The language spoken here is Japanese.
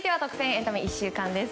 エンタメ１週間です。